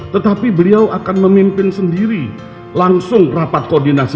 tetapi beliau akan memimpin sendiri langsung rapat koordinasi